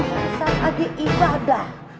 pasar aja ibadah